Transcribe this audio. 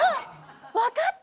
わかった！